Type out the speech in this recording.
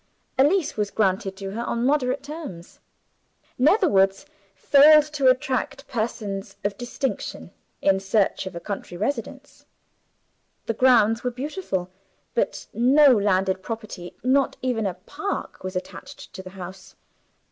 A lease was granted to her on moderate terms. Netherwoods failed to attract persons of distinction in search of a country residence. The grounds were beautiful; but no landed property not even a park was attached to the house.